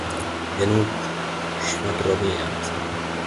Genug schwadroniert!